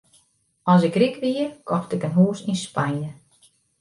As ik ryk wie, kocht ik in hûs yn Spanje.